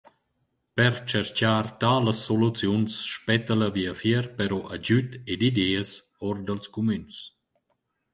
Per tscherchar talas soluziuns spetta la viafier però agüd ed ideas our dals cumüns.